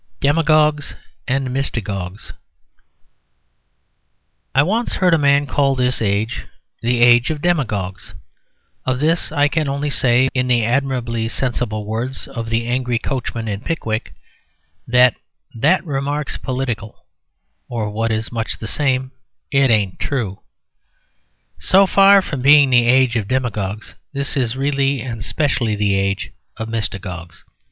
DEMAGOGUES AND MYSTAGOGUES I once heard a man call this age the age of demagogues. Of this I can only say, in the admirably sensible words of the angry coachman in "Pickwick," that "that remark's political, or what is much the same, it ain't true." So far from being the age of demagogues, this is really and specially the age of mystagogues.